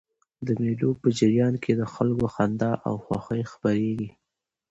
د مېلو په جریان کښي د خلکو خندا او خوښي خپریږي.